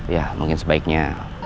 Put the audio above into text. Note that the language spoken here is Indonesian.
ya mungkin sebaiknya